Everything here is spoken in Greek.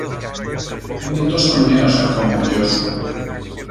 Είναι τόσο νέος ακόμα ο γιός σου